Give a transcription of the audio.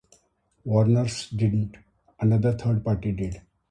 Warners didn't; another third party did.